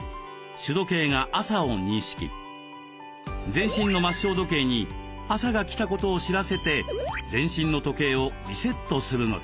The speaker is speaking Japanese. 全身の末梢時計に朝が来たことを知らせて全身の時計をリセットするのです。